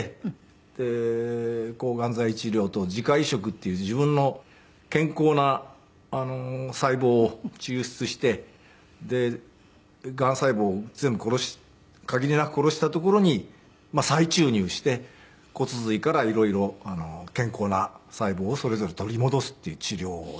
で抗がん剤治療と自家移植っていう自分の健康な細胞を抽出してでがん細胞を全部限りなく殺したところに再注入して骨髄から色々健康な細胞をそれぞれ取り戻すっていう治療。